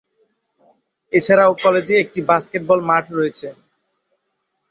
এছাড়াও কলেজে একটি বাস্কেটবল মাঠ রয়েছে।